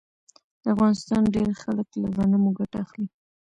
د افغانستان ډیری خلک له غنمو ګټه اخلي.